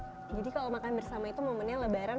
jadi kalau makan bersama itu momennya lebaran